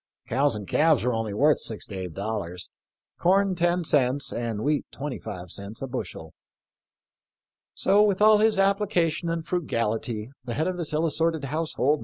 Cows and calves were only worth six to eight dollars ; corn ten cents, and wheat twenty five cents, a bushel." So with all his application and frugality the head of this ill assorted household 22 7 HE llPi: of LINCOtN^.